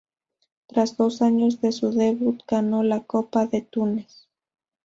Tras dos años de su debut ganó la Copa de Túnez.